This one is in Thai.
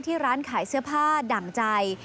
ร้านขายเสื้อผ้าดั่งใจ